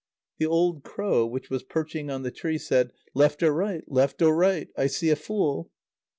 The old crow, which was perching on the tree, said: "Left or right! left or right! I see a fool."